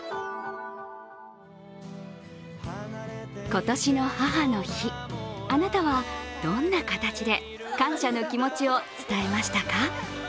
今年の母の日、あなたはどんな形で感謝の気持ちを伝えましたか？